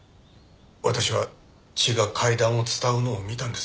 私は血が階段を伝うのを見たんです。